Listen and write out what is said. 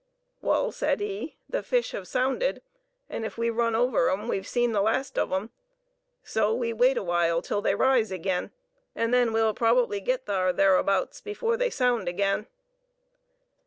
"Wall," said he, "the fish hev sounded, an' ef we run over 'em, we've seen the last ov 'em. So we wait awhile till they rise agin, 'n then we'll prob'ly git thar' 'r thareabouts before they sound agin."